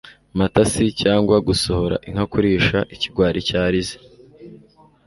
matasi cyangwa gusohora inka kurisha, ikigwari cyarize